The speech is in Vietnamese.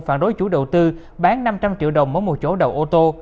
phản đối chủ đầu tư bán năm trăm linh triệu đồng mỗi một chỗ đậu ô tô